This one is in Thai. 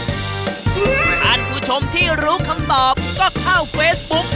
ท่านผู้ชมที่รู้คำตอบก็เข้าเฟซบุ๊ก